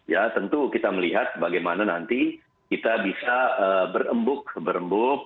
ya tentu kita melihat bagaimana nanti kita bisa berembuk berembuk